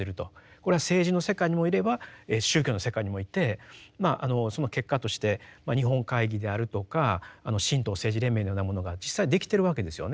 これは政治の世界にもいれば宗教の世界にもいてその結果として日本会議であるとか神道政治連盟のようなものが実際できてるわけですよね。